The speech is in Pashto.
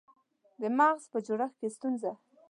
د مغز په جوړښت کې ستونزه